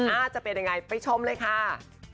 อาจจะเป็นยังไงไปชมเลยค่ะ